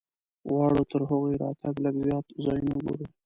غواړو تر هغوی راتګه لږ زیات ځایونه وګورو.